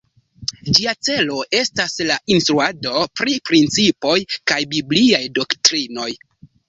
Ĝia celo estas la instruado pri principoj kaj bibliaj doktrinoj.